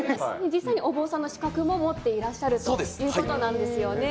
実際にお坊さんの資格も持ってるということなんですよね